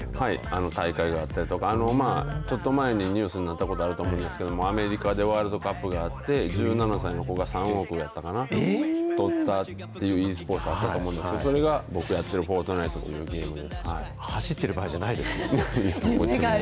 大会があったりとか、ちょっと前にニュースになったことあると思うんですけど、アメリカでワールドカップがあって、１７歳の子が３億やったかな、取ったっていう、ｅスポーツのあったと思うんですけど、それが僕がやってる、フォートナイトというゲームで。